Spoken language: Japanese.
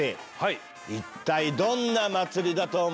一体どんな祭りだと思う？